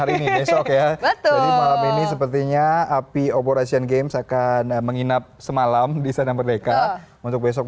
hari ini sepertinya api operation games akan menginap semalam bisa dan mereka untuk besok